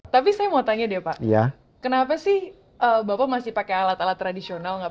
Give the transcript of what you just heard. tapi saya mau tanya deh pak kenapa sih bapak masih pakai alat alat tradisional nggak